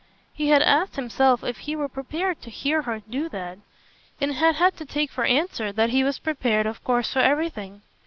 He had asked himself if he were prepared to hear her do that, and had had to take for answer that he was prepared of course for everything.